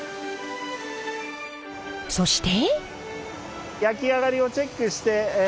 そして。